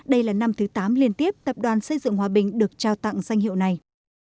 đây là năm thứ tám liên tiếp tập đoàn xây dựng hòa bình được trao tặng danh hiệu này